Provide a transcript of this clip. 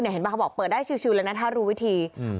เห็นป่ะเขาบอกเปิดได้ชิวเลยนะถ้ารู้วิธี